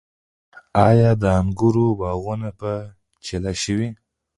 آیا د انګورو باغونه په چیله شوي؟